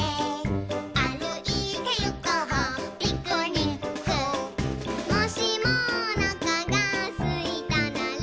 「あるいてゆこうピクニック」「もしもおなかがすいたなら」